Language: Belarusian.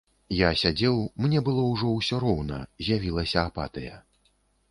Я сядзеў, мне было ўжо ўсё роўна, з'явілася апатыя.